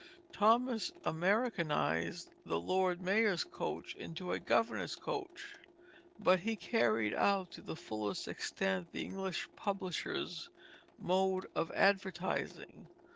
Thomas Americanized the Lord Mayor's coach into a Governor's coach, but he carried out to the fullest extent the English publishers' mode of advertising.